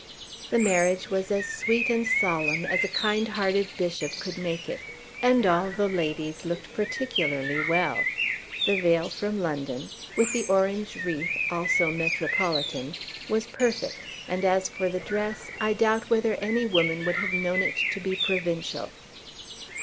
The marriage was as sweet and solemn as a kind hearted bishop could make it, and all the ladies looked particularly well. The veil from London, with the orange wreath, also metropolitan, was perfect, and as for the dress, I doubt whether any woman would have known it to be provincial.